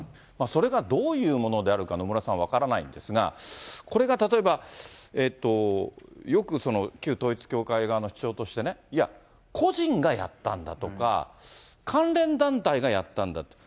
それがどういうものであるか、野村さん、分からないんですが、これが例えば、よく旧統一教会側の主張としてね、いや、個人がやったんだとか、関連団体がやったんだ。